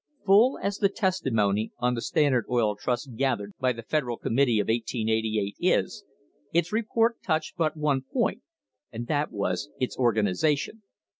* Full as the testimony on the Standard Oil Trust gathered by the Federal committee of 1888 is, its report touched but one point, and that was its organisation.